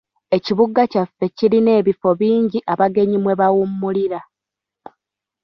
Ekibuga kyaffe kirina ebifo bingi abagenyi mwe bawummulira.